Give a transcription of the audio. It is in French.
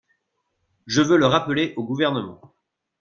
Je veux le rappeler au Gouvernement